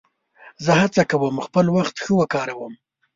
زه هڅه کوم خپل وخت ښه وکاروم.